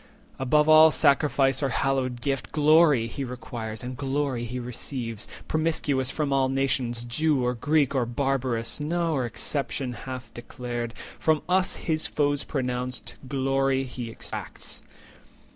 Above all sacrifice, or hallowed gift, Glory he requires, and glory he receives, Promiscuous from all nations, Jew, or Greek, Or Barbarous, nor exception hath declared; From us, his foes pronounced, glory he exacts."